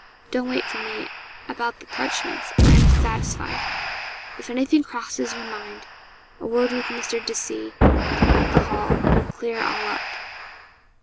Don't wait for me about the parchments; I am satisfied. If anything crosses your mind, a word with Mr. De C. at the Hall, will clear all up.